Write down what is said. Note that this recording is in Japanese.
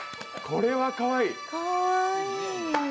これはかわいい！